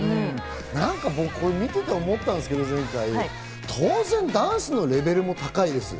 見てて思ったんですけど前回、当然ダンスのレベルも高いです。